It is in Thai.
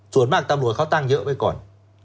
ส่วนมากตำรวจเขาตั้งเยอะไว้ก่อน